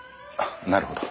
なるほど。